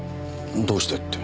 どうしてって。